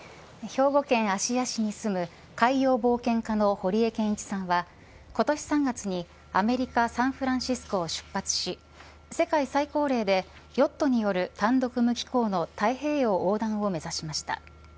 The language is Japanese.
兵庫県芦屋市に住む海洋冒険家の堀江謙一さんは、今年３月にアメリカサンフランシスコを出発し世界最高齢でヨットによる単独無寄港の太平洋横断を目指しました。